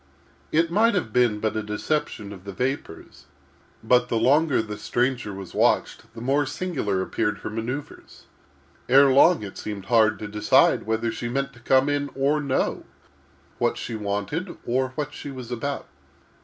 _ It might have been but a deception of the vapors, but, the longer the stranger was watched the more singular appeared her manoeuvres. Ere long it seemed hard to decide whether she meant to come in or no—what she wanted, or what she was about.